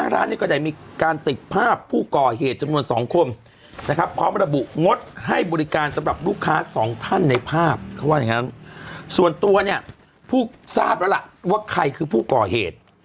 แล้วพูดทราบแล้วล่ะว่าใครคือผู้ก่อเหตุ